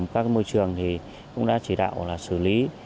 các môi trường cũng đã chỉ đạo xử lý